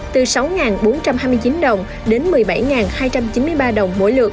từ sáu bốn trăm hai mươi chín đồng đến một mươi bảy hai trăm hai mươi đồng